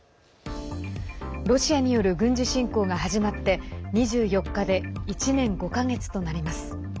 ロシアによる軍事侵攻が始まって２４日で１年５か月となります。